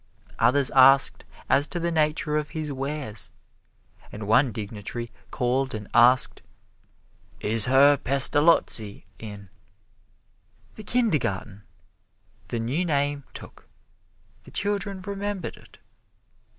Others asked as to the nature of his wares, and one dignitary called and asked, "Is Herr Pestalozzi in?" The Kindergarten! The new name took. The children remembered it.